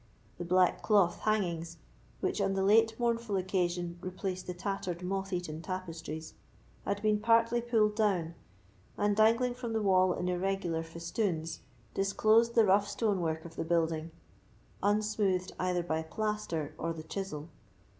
The black cloth hangings, which, on the late mournful occasion, replaced the tattered moth eaten tapestries, had been partly pulled down, and, dangling from the wall in irregular festoons, disclosed the rough stonework of the building, unsmoothed either by plaster or the chisel.